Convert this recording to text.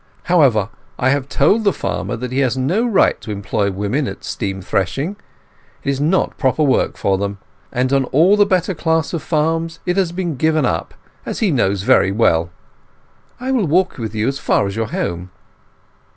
However, I have told the farmer that he has no right to employ women at steam threshing. It is not proper work for them; and on all the better class of farms it has been given up, as he knows very well. I will walk with you as far as your home."